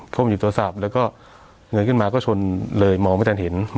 ก้มอยู่โทรศัพท์แล้วก็เงยขึ้นมาก็ชนเลยมองไม่ทันเห็น